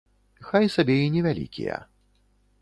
Хай сабе і невялікія.